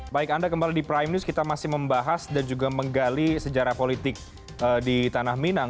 baik anda kembali di prime news kita masih membahas dan juga menggali sejarah politik di tanah minang